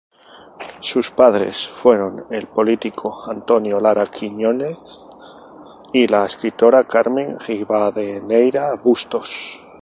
Sus padres fueron el político Antonio Lara Quiñónez y la escritora Carmen Rivadeneira Bustos.